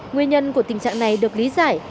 nguyên nhân của tình trạng này được lý giải